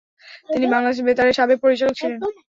তিনি বাংলাদেশ বেতারের সাবেক পরিচালক ছিলেন।